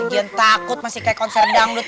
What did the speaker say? yang takut masih kayak konser dangdut